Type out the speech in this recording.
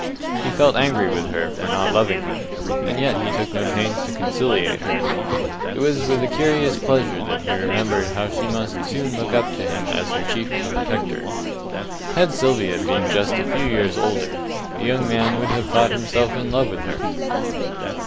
He felt angry with her for not loving him, and yet he took no pains to conciliate her. It was with a curious pleasure that he remembered how she must soon look up to him as her chief protector. Had Sylvia been just a few years older, the young man would have thought himself in love with her.